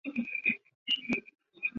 在去世的一年后